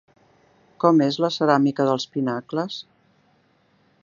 Com és la ceràmica dels pinacles?